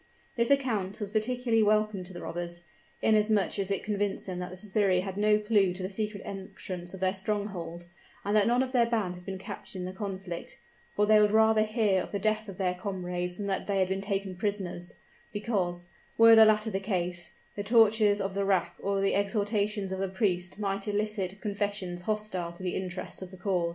This account was particularly welcome to the robbers, inasmuch as it convinced them that the sbirri had no clew to the secret entrance of their stronghold, and that none of their band had been captured in the conflict: for they would rather hear of the death of their comrades than that they had been taken prisoners; because, were the latter the case, the tortures of the rack or the exhortations of the priest might elicit confessions hostile to the interests of the corps.